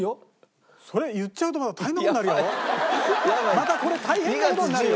またこれ大変な事になるよ。